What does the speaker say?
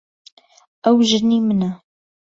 ئەو ژنی منە.